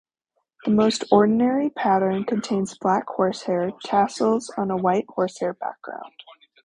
The most ordinary pattern contains black horsehair tassels on a white horsehair background.